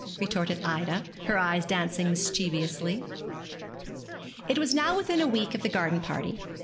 retorted Ida, her eyes dancing mischievously. It was now within a week of the garden party.